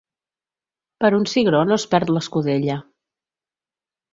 Per un cigró no es perd l'escudella.